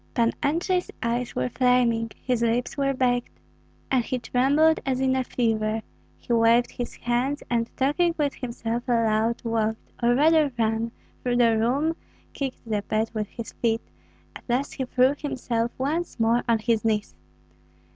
Pan Andrei's eyes were flaming, his lips were baked, and he trembled as in a fever; he waved his hands, and talking with himself aloud, walked, or rather ran, through the room, kicked the bed with his feet; at last he threw himself once more on his knees.